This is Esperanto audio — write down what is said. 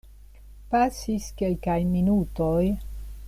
Pasis kelkaj minutoj.